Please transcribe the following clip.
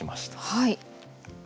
はい。